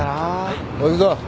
おい行くぞ。